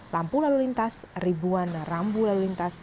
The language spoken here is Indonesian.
lampu lalu lintas ribuan rambu lalu lintas